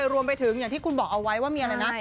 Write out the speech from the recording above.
รวมไปถึงอย่างที่คุณบอกเอาไว้ว่ามีอะไรนะ